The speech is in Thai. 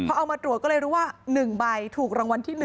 พอเอามาตรวจก็เลยรู้ว่า๑ใบถูกรางวัลที่๑